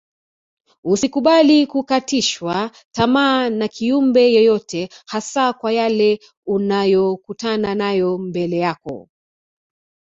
Usikubali kukatishwa tamaa na kiumbe yeyote hasa kwa yale unayokutana nayo mbele yako